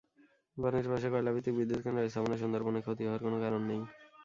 বনের পাশে কয়লাভিত্তিক বিদ্যুৎকেন্দ্র স্থাপনে সুন্দরবনের ক্ষতি হওয়ার কোনো কারণ নেই।